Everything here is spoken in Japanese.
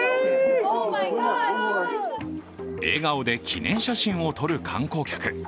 笑顔で記念写真を撮る観光客。